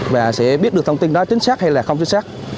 và sẽ biết được thông tin đó chính xác hay là không chính xác